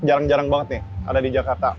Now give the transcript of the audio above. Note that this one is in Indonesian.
jarang jarang banget nih ada di jakarta